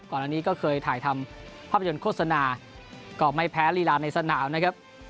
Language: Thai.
ก่อนอันนี้ก็เคยถ่ายทำภาพยนตร์โฆษณาก็ไม่แพ้ลีลาในสนามนะครับ